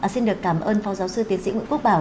xin được cảm ơn phó giáo sư tiến sĩ nguyễn quốc bảo